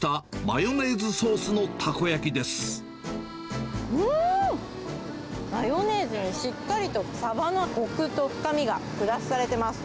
マヨネーズにしっかりとサバのこくと深みがプラスされてます。